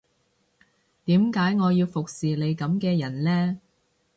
點解我要服侍你噉嘅人呢